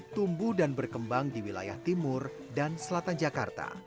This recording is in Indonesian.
tumbuh dan berkembang di wilayah timur dan selatan jakarta